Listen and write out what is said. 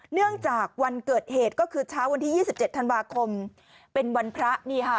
เนื่องจากวันเกิดเหตุก็คือเช้าวันที่๒๗ธันวาคมเป็นวันพระนี่ค่ะ